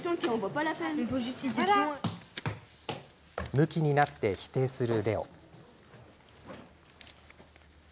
むきになって否定するレオ。